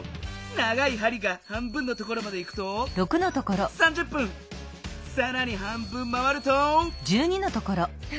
長いはりが半分のところまでいくとさらに半分回ると。